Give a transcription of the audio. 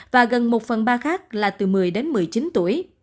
và gần một phần ba khác là từ một mươi đến một mươi chín tuổi